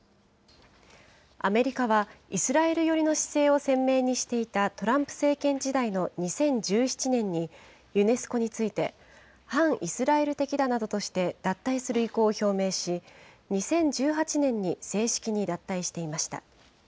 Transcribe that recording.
アメリカは、イスラエル寄りの姿勢を鮮明にしていたトランプ政権時代の２０１７年に、ユネスコについて、反イスラエル的だなどとして脱退する意向を表明し、２０１８年に正式に脱退していました。